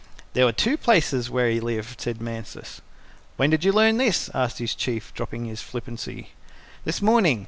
"There were two places where he lived," said Mansus. "When did you learn this?" asked his Chief, dropping his flippancy. "This morning.